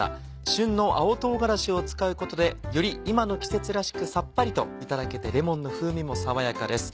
旬の青唐辛子を使うことでより今の季節らしくさっぱりといただけてレモンの風味も爽やかです。